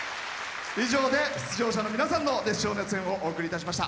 以上で出場者の皆さんの熱唱・熱演をお送りいたしました。